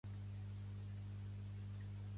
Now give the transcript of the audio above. Pertany al moviment independentista el Aitano?